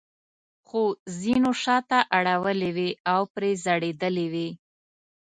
خو ځینو شاته اړولې وې او پرې ځړېدلې وې.